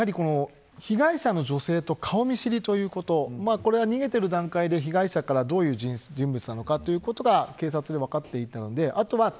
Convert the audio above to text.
被害者の女性と顔見知りということ逃げている段階で被害者からどういう人物なのかということが警察で分かっていたので。